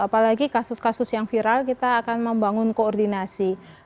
apalagi kasus kasus yang viral kita akan membangun koordinasi